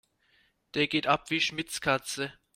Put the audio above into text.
Der geht ab wie Schmitz' Katze.